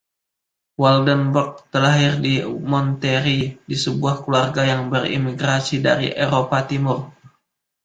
Woldenberg terlahir di Monterrey di sebuah keluarga yang berimigrasi dari Eropa Timur.